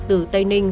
từ tây ninh